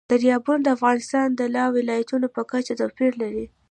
دریابونه د افغانستان د ولایاتو په کچه توپیر لري.